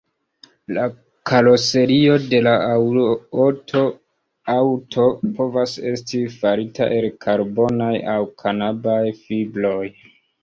La karoserio de la aŭto povas esti farita el karbonaj aŭ kanabaj fibroj.